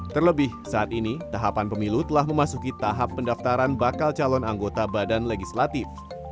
terlebih saat ini tahapan pemilu telah memasuki tahap pendaftaran bakal calon anggota badan legislatif